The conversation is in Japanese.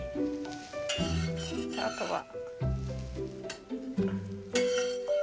あとは。